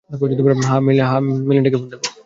হ্যাঁ মেলিন্ডাকে ফোন দেব?